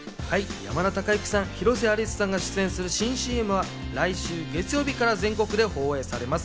山田孝之さん、広瀬アリスさんが出演する新ＣＭは来週月曜日から全国で放映されます。